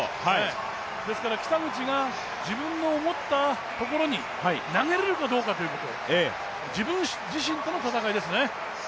ですから北口が自分の持ったところに投げれるかどうかと言うこと、自分自身との戦いですね。